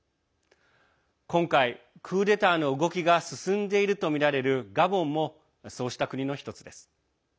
今回、クーデターの動きが進んでいるとみられるガボンもそうした国の１つです。